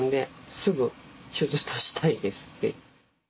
すぐ手術したいですって。